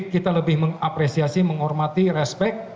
kita lebih mengapresiasi menghormati respect